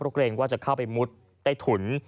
เพราะเกรงว่าจะเข้าไปมุดใต้ถุน